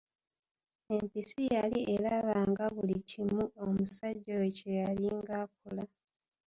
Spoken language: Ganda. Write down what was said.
Empisi yali eraba nga buli kimu omusajja oyo kye yalinga akola.